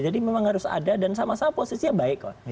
memang harus ada dan sama sama posisinya baik kok